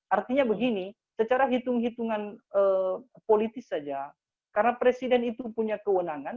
artinya begini secara hitung hitungan politis saja karena presiden itu punya kewenangan